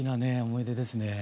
思い出ですね。